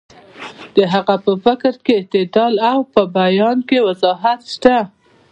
د هغه په فکر کې اعتدال او په بیان کې وضاحت شته.